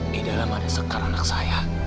di dalam ada sekar anak saya